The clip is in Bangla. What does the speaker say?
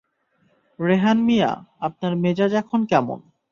রেহান মিয়া, আপনার মেজাজ এখন কেমন?